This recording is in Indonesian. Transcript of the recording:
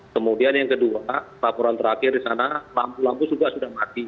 kemudian yang kedua laporan terakhir disana lampu lampu sudah mati